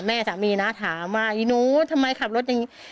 แม่สามีนะถามว่าอีหนูทำไมขับรถอย่างนี้